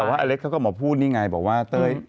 แต่ว่าอเล็กเขาก็มาพูดนี่ไงบอกว่าเต้ย